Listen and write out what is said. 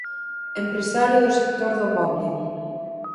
Empresario do sector do moble.